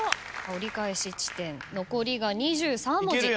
折り返し地点残りが２３文字。